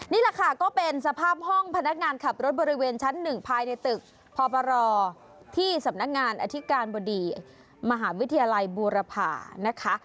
นี่แหละค่ะก็เป็นสภาพห้องพนักงานขับรถบริเวณชั้นหนึ่งภายในตึกพบรที่สำนักงานอธิการบดีมหาวิทยาลัยบูรพานะคะ